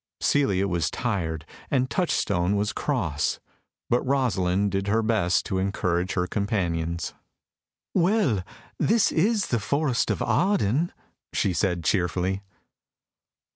Celia was tired and Touchstone was cross, but Rosalind did her best to encourage her companions. "Well, this is the Forest of Arden," she said cheerfully.